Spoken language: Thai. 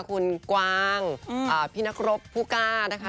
คุณกวางพี่นักรบผู้กล้านะคะ